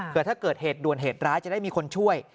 เกิดเหตุถ้าเกิดเหตุด่วนเหตุร้ายจะได้มีคนช่วย